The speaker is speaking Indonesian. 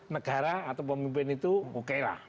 negara atau pemimpin itu okelah